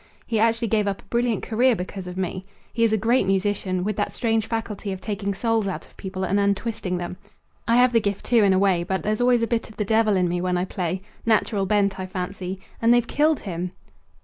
He actually gave up a brilliant career because of me. He is a great musician, with that strange faculty of taking souls out of people and untwisting them. I have the gift, too, in a way; but there's always a bit of the devil in me when I play. Natural bent, I fancy. And they've killed him!"